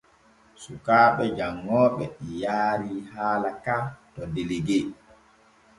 Sukaaɓe janŋooɓe yaarii haala ka to delegue.